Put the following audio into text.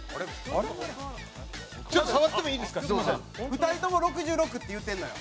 ２人とも１６６って言うてんのよ。